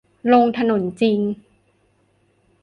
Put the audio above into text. ลงถนนจริง